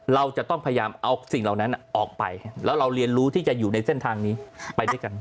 เราจะต้องพยายามเอาสิ่งเหล่านั้นออกไปแล้วเราเรียนรู้ที่จะอยู่ในเส้นทางนี้ไปด้วยกัน